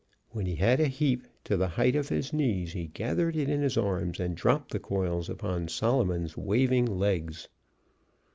When he had a heap to the height of his knees he gathered it in his arms and dropped the coils upon Solomon's waving legs.